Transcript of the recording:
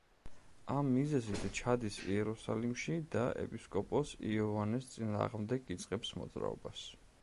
ამ მიზეზით ჩადის იერუსალიმში და ეპისკოპოს იოანეს წინააღმდეგ იწყებს მოძრაობას.